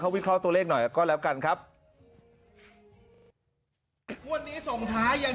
วิเคราะห์ตัวเลขหน่อยก็แล้วกันครับวันนี้ส่งท้ายยัง